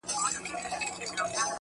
د تورو زلفو په هر تار راته خبري کوه,